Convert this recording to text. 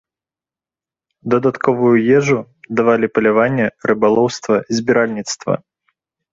Дадатковую ежу давалі паляванне, рыбалоўства, збіральніцтва.